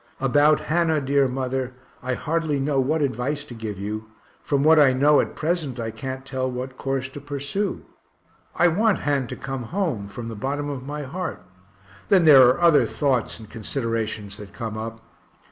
About Hannah, dear mother, I hardly know what advice to give you from what I know at present I can't tell what course to pursue. I want Han to come home, from the bottom of my heart. Then there are other thoughts and considerations that come up.